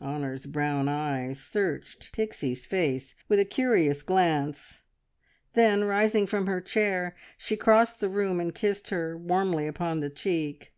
Honor's brown eyes searched Pixie's face with a curious glance. Then, rising from her chair, she crossed the room and kissed her warmly upon the cheek.